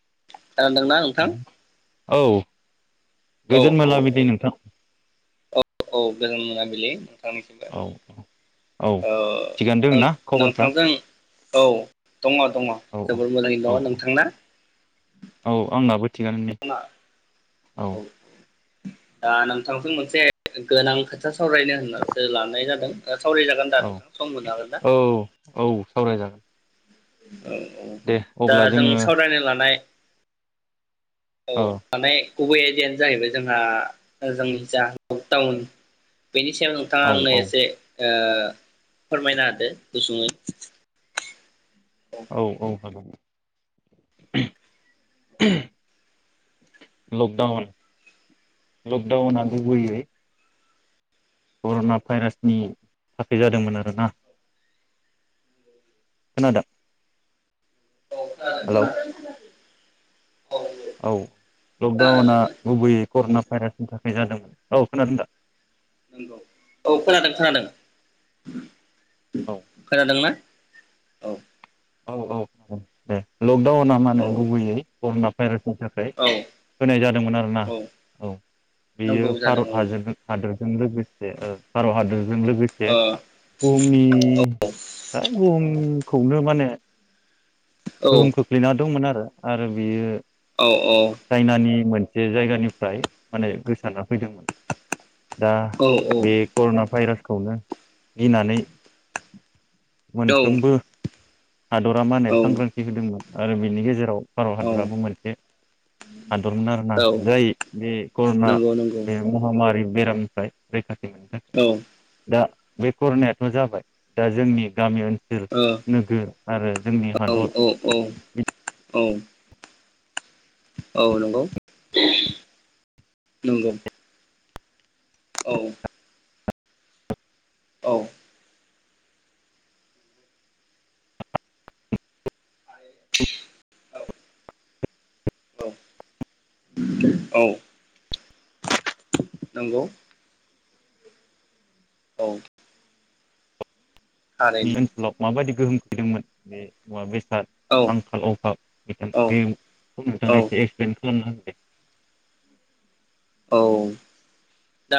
[unintelligible] दोंना नोंथां औ औ गोजोन औ मोला बिलि नोंथां औ गोजोन मोना बिलि [unintelligible] औ औ थिगानो दों ओ ना खबरफ्रा नोंथांजों औ दङ दङ औ जोबोर मोजाङै औ दङ औ नोंथांना औ आंनाबो थिगानो दे औ दा नोंथांजों मोनसे गोनां खोथा सावरायनो होननासो लानाय जादों सावरायजागोन दा औ नोंथां सम होनो हागोन ना औ औ सावराय जागोन [inaudible] औ औ दा जों जोङो सावरायनो लानाय औ थानाय गुबै एरियानो जाहैबाय जोंहा जोंनि जा लकडाउन बेनि सायाव नोंथाङा औ आंनो औ एसे ओ फोरमायनो होदो गुसुङै औ औ हागोन उह उह लकडाउन लकडाउन आ गुबुयै करना भाइरासनि थाखाय जादोंमोन आरोना खोनादों हेलौ [inaudible] औ लकडाउना नंगौ गुबैयै करना भाइरासनि थाखाय जादोंमोन औ खोनादों दा नंगौ औ खोनादों खोनादों औ खोनादोंना औ औ औ औ दे लकडाउना औ माने गुबैयै करुना भाइरास नि थाखाय औ होनाय जादोंमोन आरो ना औ औ बेयो नंगौ जादों भारताद हादोरजों लोगोसे औ भारत हादोरजों लोगोसे औ बुहुमनि खौनो माने ओ गोहोम खोख्लैना दंमोन आरो आरो बेयो औ चाइनानि मोनसे सासे जायगानिफ्राय माने गोसारना फैदोंमोन दा औ बे करना भाइरास खौनो गिनानै मोनफ्रोमबो हादरा मा होने औ सांग्रांथि होदोंमोन आरो बिनि गेजेराव भारत औ हादराबो मोनसे हादरमोन आरोना औ जाय बे करना नंगौ नंगौ बे महामारि बेरामनिफ्राय रैखाथि मोननो थाखाय औ दा बे करनायाथ जाबाय दा जोंनि गामि ओन ओ [inaudible] नोगोर आरो जोंनि औ हादर औ औ औ औ नंगौ नंगौ औ औ औ औ नंगौ औ थारैनो ओनसोलाव माबायदि गोहोम खोख्लैदोंमोन बे मुवा बे साद औ आंखाल अभाब बिथां औ बेखौ नोंथाङा औ एसे एक्सप्लेन खालामनो हागोन औ दा